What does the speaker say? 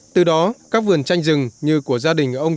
từ đó các vườn tranh rừng như của gia đình ông